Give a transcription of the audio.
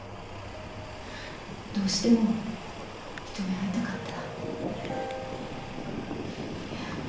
どうしても一目会いたかったら。